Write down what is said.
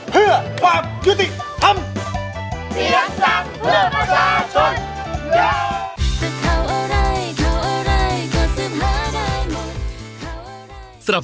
เพื่อความยุติธรรม